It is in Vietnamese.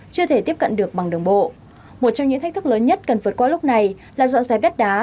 chưa thể tiếp cận được bằng đường bộ một trong những thách thức lớn nhất cần vượt qua lúc này là dọn dẹp đất đá